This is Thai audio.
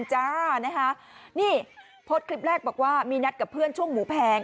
เพิศกรีปแรกบอกว่ามีนัดกับเพื่อนช่วงหมูแพง